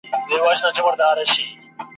دوه لاسونه پر دوو پښو باندي روان وو ..